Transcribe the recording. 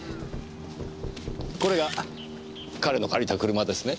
これが彼の借りた車ですね？